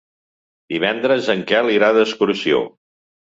Divendres en Quel irà d'excursió.